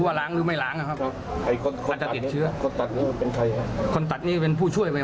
ว่าไปได้ประมาณ๓วัน